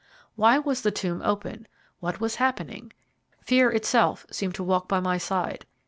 Why was the tomb open? What was happening? Fear itself seemed to walk by my side.